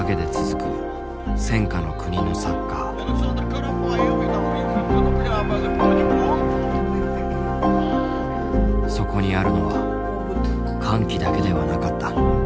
そこにあるのは歓喜だけではなかった。